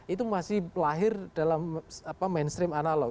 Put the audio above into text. itu masih lahir dalam mainstream analog